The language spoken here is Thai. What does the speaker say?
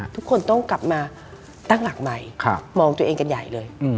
ทุกคนต้องกลับมาตั้งหลักใหม่มองตัวเองกันใหญ่เลย